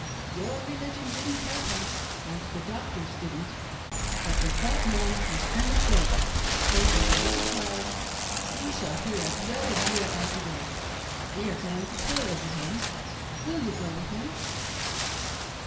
Your religion didn't help him, and the doctors didn't; — but if that man has only faith — faith as a little child — he shall hear as well as you or I hear to day. We are going to pray over him ; will you go with me